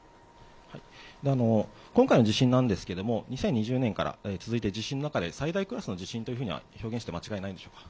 今回の地震なんですけども、２０２０年から続いている地震の中で、最大クラスの地震というふうな表現して間違いないんでしょうか。